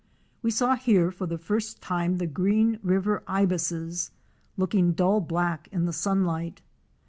We saw here for the first time the Green River Ibises * looking dull black in the sunlight.